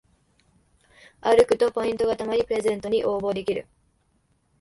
歩くとポイントがたまりプレゼントに応募できる